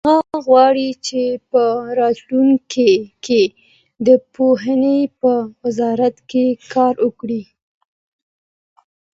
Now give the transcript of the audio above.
هغه غواړي چې په راتلونکي کې د پوهنې په وزارت کې کار وکړي.